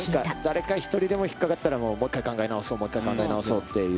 誰か一人でも引っかかったら、もう一回考え直そう、考え直そうっていう。